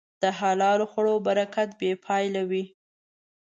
د حلال خوړو برکت بېپایله وي.